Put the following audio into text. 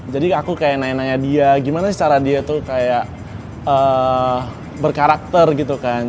jadi aku kayak nanya nanya dia gimana sih cara dia tuh kayak berkarakter gitu kan